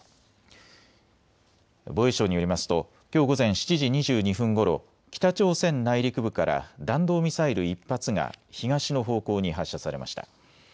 防衛省によりますときょう午前７時２２分ごろ北朝鮮内陸部から弾道ミサイル１発が東の方向に発射されました。